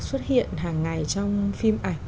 xuất hiện hàng ngày trong phim ảnh